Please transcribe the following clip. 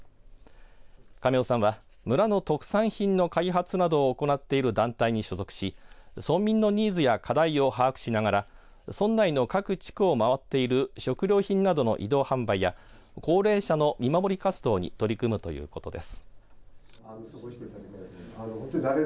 亀尾さんは村の特産品の開発などを行っている団体に所属し村民のニーズや課題を把握しながら村内の各地区を回っている食料品などの移動販売や高齢者の見守り活動に取り組むということです。